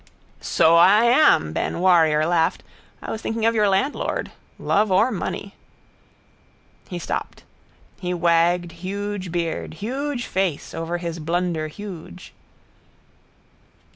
—So I am, Ben Warrior laughed. I was thinking of your landlord. Love or money. He stopped. He wagged huge beard, huge face over his blunder huge.